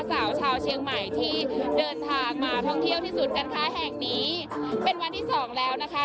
สาวชาวเชียงใหม่ที่เดินทางมาท่องเที่ยวที่ศูนย์การค้าแห่งนี้เป็นวันที่สองแล้วนะคะ